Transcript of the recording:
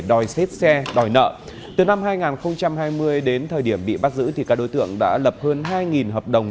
đòi xết xe đòi nợ từ năm hai nghìn hai mươi đến thời điểm bị bắt giữ thì các đối tượng đã lập hơn hai hợp đồng